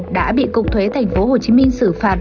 đã bị cục thuế tp hcm xử phạt